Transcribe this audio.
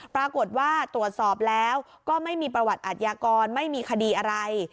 ปรากฏว่าตรวจสอบแล้วก็ไม่มีประวัติอัธยากรไม่มีคดีอะไร